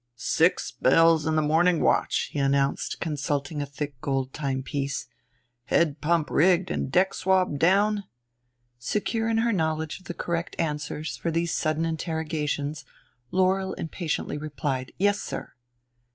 "Six bells in the morning watch," he announced, consulting a thick gold timepiece. "Head pump rigged and deck swabbed down?" Secure in her knowledge of the correct answers for these sudden interrogations Laurel impatiently replied, "Yes, sir."